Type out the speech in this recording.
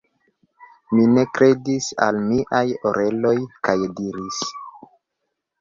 Mi ne kredis al miaj oreloj kaj diris: